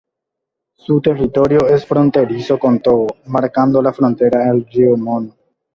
Su territorio es fronterizo con Togo, marcando la frontera el río Mono.